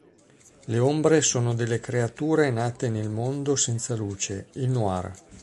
Le ombre sono delle creature nate nel mondo senza luce: il Noir.